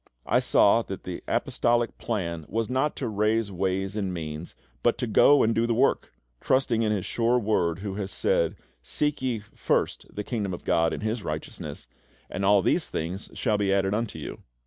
I saw that the Apostolic plan was not to raise ways and means, but to go and do the work, trusting in His sure Word who has said, "Seek ye first the Kingdom of GOD and His righteousness, and all these things shall be added unto you."